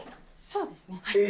そうですねはい。